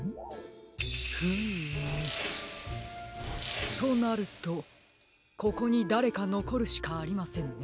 フームとなるとここにだれかのこるしかありませんね。